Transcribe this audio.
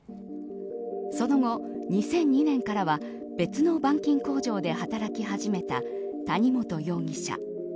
その後、２００２年からは別の板金工場で働き始めた谷本容疑者。